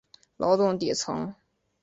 劳动底层